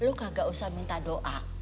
lu kagak usah minta doa